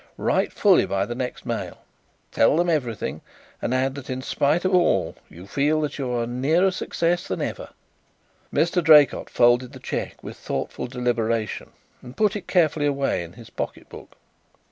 Write fully by the next mail. Tell them everything and add that in spite of all you feel that you are nearer success than ever." Mr. Draycott folded the cheque with thoughtful deliberation and put it carefully away in his pocket book.